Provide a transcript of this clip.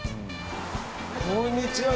こんにちは。